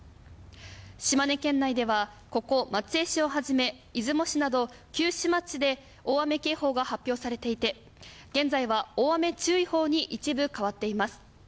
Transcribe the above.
島根県内ではここ、松江市をはじめ出雲市など９市町で大雨警報が発表されていて現在は大雨注意報に一部変わっています。